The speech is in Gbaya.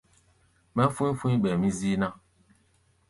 Mɛ́ fú̧í̧ fu̧í̧ ɓɛɛ mí zíí ná.